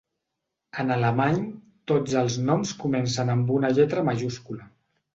En alemany tots els Noms comencen amb una lletra majúscula.